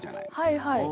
はいはい。